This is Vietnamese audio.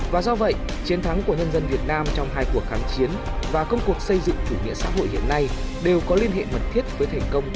và do vậy chiến thắng của nhân dân việt nam trong hai cuộc kháng chiến và công cuộc xây dựng chủ nghĩa xã hội hiện nay đều có liên hệ mật thiết với thành công